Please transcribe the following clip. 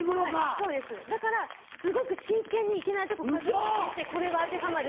そうですだからすごく真剣にいけないとこ箇条書きにしてこれは当てはまる？